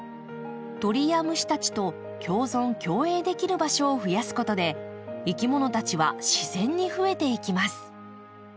鳥や虫たちと共存共栄できる場所を増やすことでいきものたちは自然に増えていきます。